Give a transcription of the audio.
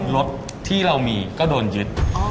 รถที่เรามีก็โดนยึด